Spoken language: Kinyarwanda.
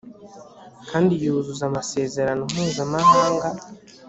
kandi yuzuza amasezerano mpuzamahanga